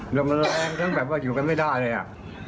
กรมแรงแบบว่าอยู่กันไม่ได้เลยอ่ะ